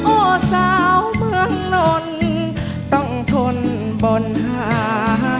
โอ้สาวเมืองนนต้องทนบนหา